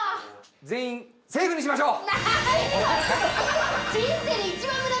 全員セーフにしましょう。